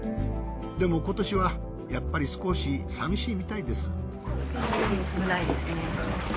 でも今年はやっぱり少し寂しいみたいです。